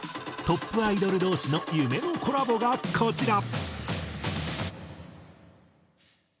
トップアイドル同士の夢のコラボがこちら！